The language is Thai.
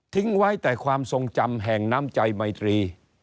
ไว้แต่ความทรงจำแห่งน้ำใจไมตรี